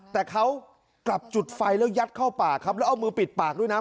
แต่เขากลับจุดไฟแล้วยัดเข้าปากครับแล้วเอามือปิดปากด้วยนะ